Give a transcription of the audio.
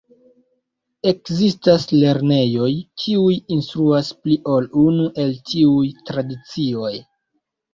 Ekzistas lernejoj kiuj instruas pli ol unu el tiuj tradicioj.